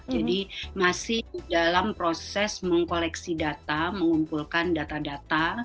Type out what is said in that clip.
jadi masih dalam proses mengkoleksi data mengumpulkan data data